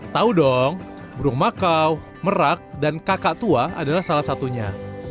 tahu dong burung makau merak dan kakak tua adalah salah satunya